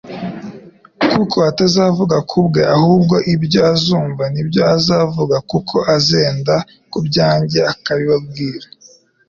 kuko atazavuga kubwe ahubwo ibyo azumva nibyo azavuga kuko azenda ku byanjye akabibabwira,